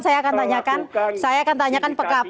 saya akan tanyakan pak sarif